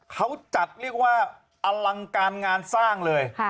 เขาจัดเรียกว่าอลังการงานสร้างเลย